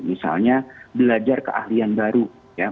misalnya belajar keahlian baru